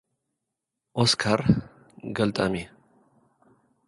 ኦስካር፡ ገልጣም እዩ።